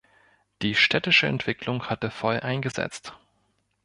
Die städtische Entwicklung hatte voll eingesetzt.